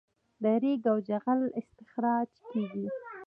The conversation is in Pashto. د ریګ او جغل استخراج کیږي